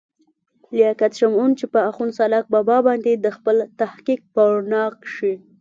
لياقت شمعون، چې پۀ اخون سالاک بابا باندې دَخپل تحقيق پۀ رڼا کښې